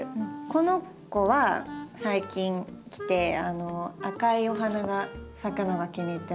この子は最近来て赤いお花が咲くのが気に入ってます。